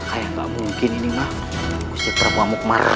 maka yang tidak mungkin ini mah gusti prabu amuk maruk dengan keterlaluan